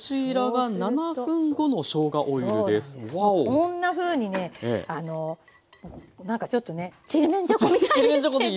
こんなふうにねなんかちょっとねちりめんじゃこみたいなんですけど。